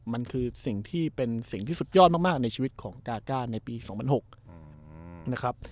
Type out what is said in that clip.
มันคือสิ่งที่เป็นสิ่งที่สุดยอดมากในชีวิตของกาก้าในปี๒๐๐๖นะครับ